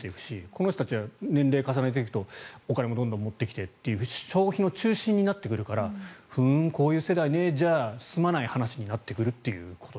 この人たちが年齢を重ねていくとお金もどんどん持ってきてと消費の中心になってくるからふーん、こういう世代ねでは済まない話になっている。